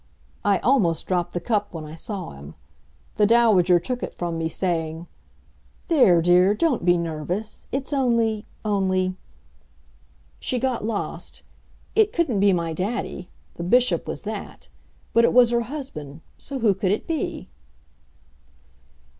I almost dropped the cup when I saw him. The Dowager took it from me, saying: "There, dear, don't be nervous. It's only only " She got lost. It couldn't be my daddy the Bishop was that. But it was her husband, so who could it be?